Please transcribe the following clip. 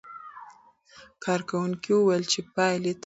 کارکوونکي وویل چې پایلې تایید شوې.